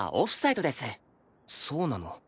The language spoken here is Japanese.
そうなの？